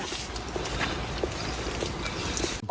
เกลี้ย